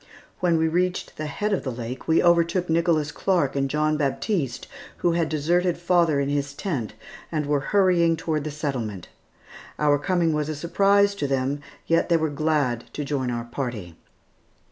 When we reached the head of the lake, we overtook Nicholas Clark and John Baptiste who had deserted father in his tent and were hurrying toward the settlement. Our coming was a surprise to them, yet they were glad to join our party.